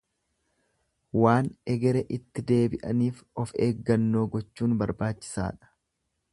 Waan egere itti deebi'aniif of eeggannoo gochuun barbaachisaadha.